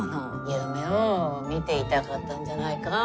夢をみていたかったんじゃないか。